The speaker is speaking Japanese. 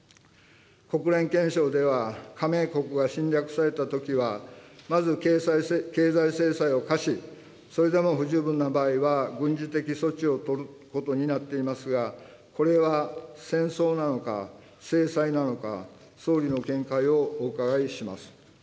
国連憲章では、加盟国が侵略されたときは、まず経済制裁を科し、それでも不十分な場合は軍事的措置を取ることになっていますが、これは戦争なのか、制裁なのか、総理の見解をお伺いします。